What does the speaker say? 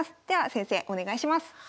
では先生お願いします。